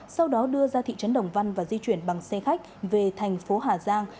sau đó đưa ra thị trấn đồng văn và di chuyển bằng xe khách về thành phố hà giang